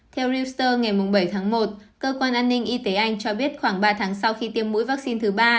theo reuter ngày bảy tháng một cơ quan an ninh y tế anh cho biết khoảng ba tháng sau khi tiêm mũi vaccine thứ ba